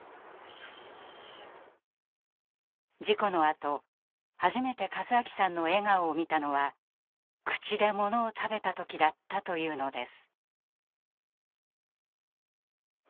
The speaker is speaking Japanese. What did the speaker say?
事故のあと初めて和明さんの笑顔を見たのは口でものを食べた時だったというのです。